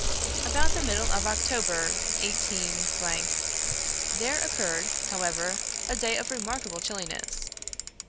About the middle of October, i8 —, there occurred, however, a day of remarkable chilliness.